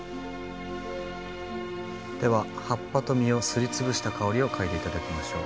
では葉っぱと実をすり潰した香りを嗅いで頂きましょう。